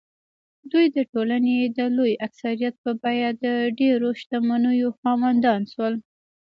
دوی د ټولنې د لوی اکثریت په بیه د ډېرو شتمنیو خاوندان شول.